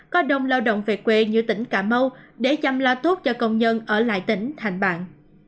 có đông lao động về quê như tỉnh cà mau để chăm loa thuốc cho công nhân ở lại tỉnh thành bàn